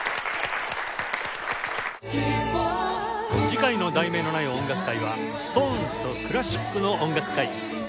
次回の『題名のない音楽会』は「ＳｉｘＴＯＮＥＳ とクラシックの音楽会」